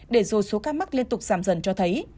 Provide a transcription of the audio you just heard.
để rồi số ca mắc liên tục giảm dần cho thấy